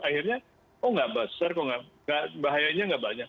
akhirnya oh nggak besar kok bahayanya nggak banyak